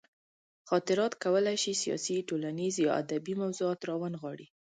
خاطرات کولی شي سیاسي، ټولنیز یا ادبي موضوعات راونغاړي.